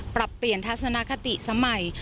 ปรับเปลี่ยนทัศนคติสมัย